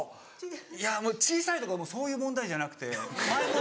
いやもう小さいとかそういう問題じゃなくて前も。